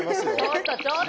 ちょっとちょっと。